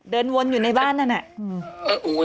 เดินวนอยู่ในบ้านนั่นน่ะ